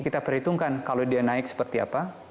kita perhitungkan kalau dia naik seperti apa